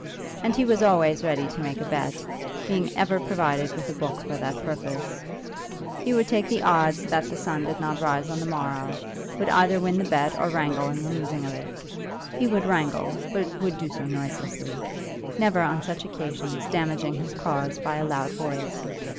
And he was always ready to make a bet, being ever provided with a book for that purpose. He would take the odds that the sun did not rise on the morrow, and would either win the bet or wrangle in the losing of it. He would wrangle, but would do so noiselessly, never on such occasions damaging his cause by a loud voice.